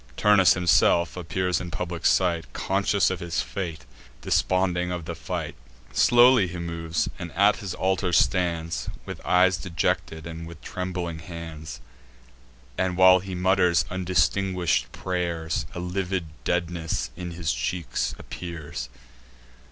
Turnus himself appears in public sight Conscious of fate, desponding of the fight. Slowly he moves, and at his altar stands With eyes dejected, and with trembling hands; And, while he mutters undistinguish'd pray'rs, A livid deadness in his cheeks appears.